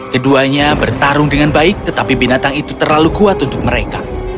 keduanya bertarung dengan baik tetapi binatang itu terlalu kuat untuk mereka